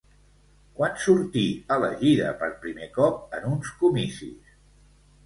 Quan sortí elegida per primer cop en uns comicis?